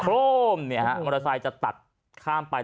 โครมมอเตอร์ไซค์จะตัดข้ามไป